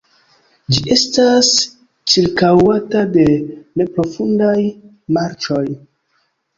Ĝi estas ĉirkaŭata de neprofundaj marĉoj.